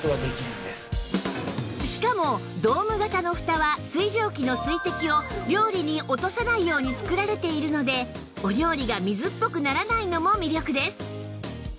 しかもドーム型のふたは水蒸気の水滴を料理に落とさないように作られているのでお料理が水っぽくならないのも魅力です